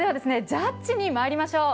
ジャッジにまいりましょう。